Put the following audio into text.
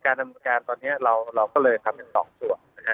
การรำการตอนเนี่ยเราก็ใช้๒ส่วนนะครับ